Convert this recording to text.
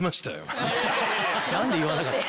何で言わなかった？